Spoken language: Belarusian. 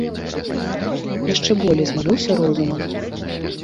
Яшчэ болей змарыўся розумам.